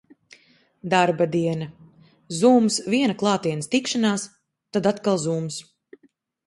Darba diena. Zooms, viena klātienes tikšanās, tad atkal Zooms.